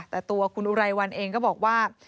แต่ตัวคุณอุไรวันเองก็บอกว่า